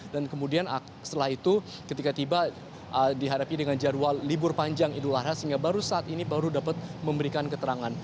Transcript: dan kemudian setelah itu ketika tiba dihadapi dengan jadwal libur panjang idul harha sehingga baru saat ini baru dapat memberikan keterangan